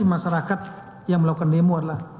masyarakat yang melakukan demo adalah